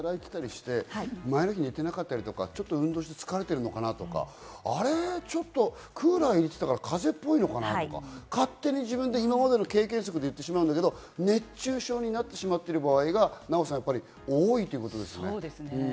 日々働いてたりして、前の日寝てなかったり、運動して疲れてるのかなとか、クーラー入れてたから風邪っぽいのかなとか、勝手に自分で今までの経験則で行ってしまうけど、熱中症になってしまっている場合がナヲさん、多いんですね。